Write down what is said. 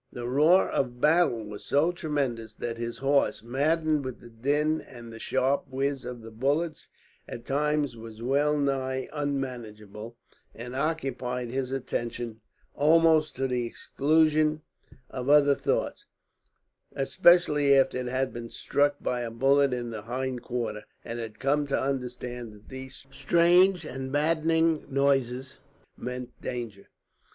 The roar of battle was so tremendous that his horse, maddened with the din and the sharp whiz of the bullets, at times was well nigh unmanageable, and occupied his attention almost to the exclusion of other thoughts; especially after it had been struck by a bullet in the hind quarters, and had come to understand that those strange and maddening noises meant danger.